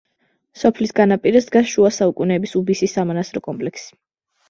სოფლის განაპირას დგას შუა საუკუნეების უბისის სამონასტრო კომპლექსი.